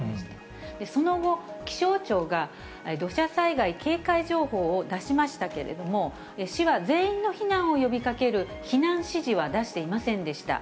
その後、気象庁が土砂災害警戒情報を出しましたけれども、市は全員の避難を呼びかける避難指示は出していませんでした。